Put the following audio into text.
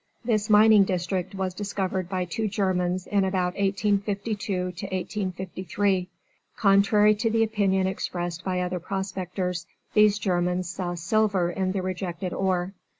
This mining district was discovered by two Germans in about 1852 3. Contrary to the opinion expressed by other prospectors, these Germans saw silver in the rejected ore.